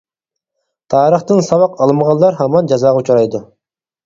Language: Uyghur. تارىختىن ساۋاق ئالمىغانلار ھامان جازاغا ئۇچرايدۇ.